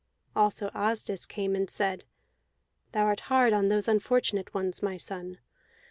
Also Asdis came and said: "Thou art hard on those unfortunate ones, my son.